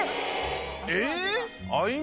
えっ？